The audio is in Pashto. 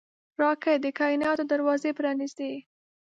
راکټ د کائناتو دروازې پرانېستي